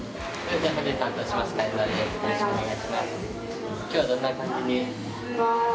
よろしくお願いします